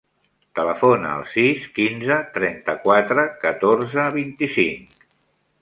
Telefona al sis, quinze, trenta-quatre, catorze, vint-i-cinc.